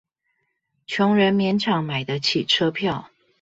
窮人勉強買得起車票